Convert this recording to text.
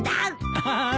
アハハ！